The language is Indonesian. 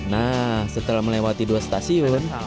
nah setelah melewati dua stasiun